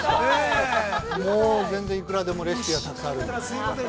もう全然いくらでもレシピはたくさんあるんで。